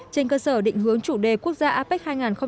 trên cơ sở định hướng chủ đề quốc gia apec hai nghìn một mươi bảy